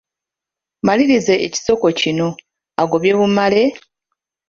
Maliriza ekisoko kino: Agobye bumale, …..